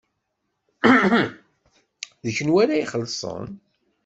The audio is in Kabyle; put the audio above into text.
D kenwi ara ixellṣen?